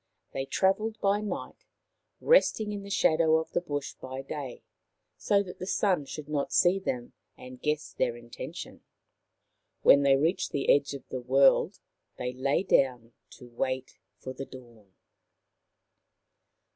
They travelled by night, resting in the shadow of the bush by day, so that the Sun should not see them and guess their intention. When they reached the edge of the world they lay down to wait for the dawn.